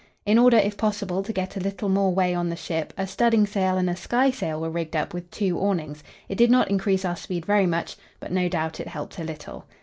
In order if possible to get a little more way on the ship, a studding sail and a skysail were rigged up with two awnings; it did not increase our speed very much, but no doubt it helped a little.